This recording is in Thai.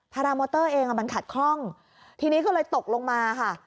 รามอเตอร์เองมันขัดคล่องทีนี้ก็เลยตกลงมาค่ะ